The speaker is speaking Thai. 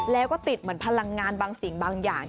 แล้วก็ติดเหมือนพลังงานบางสิ่งบางอย่าง